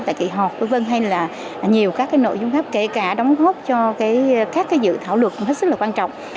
tại kỳ họp hay là nhiều các nội dung khác kể cả đóng góp cho các dự thảo luận rất quan trọng